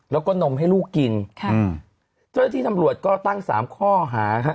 แล้วก็นมให้ลูกกินโดยที่ทำรวจก็ตั้งสามข้อหาค่ะ